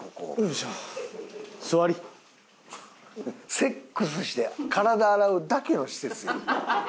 セックスして体洗うだけの施設やん。